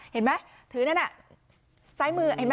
เห็นไหมถือนั่นน่ะซ้ายมือเห็นไหม